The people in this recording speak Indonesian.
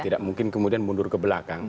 tidak mungkin kemudian mundur ke belakang